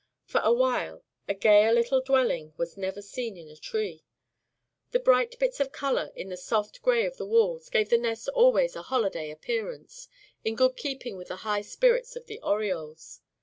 For a while a gayer little dwelling was never seen in a tree. The bright bits of color in the soft gray of the walls gave the nest always a holiday appearance, in good keeping with the high spirits of the orioles.